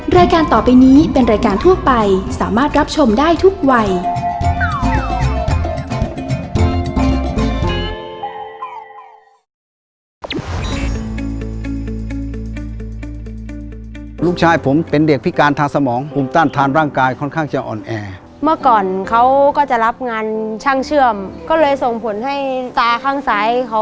รายการต่อไปนี้เป็นรายการทั่วไปสามารถรับชมได้ทุกวัย